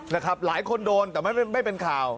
หลายคนโดนแต่ไม่เป็นข่าว